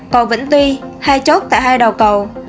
cầu vĩnh tuy hai chốt tại hai đầu cầu